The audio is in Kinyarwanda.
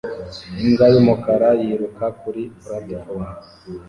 imbwa y'umukara yiruka kuri platifomu